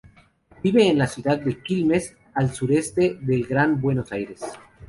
Vive en la ciudad de Quilmes, al sureste del Gran Buenos Aires.